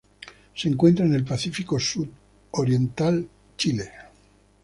Se encuentra en el Pacífico suroriental: Chile.